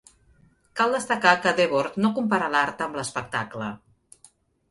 Cal destacar que Debord no compara l'art amb l'espectacle.